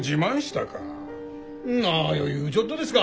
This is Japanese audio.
何を言うちょっとですか！